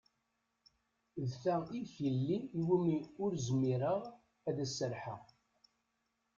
D ta i d tilelli iwumi ur zmireɣ ad as-serḥeɣ.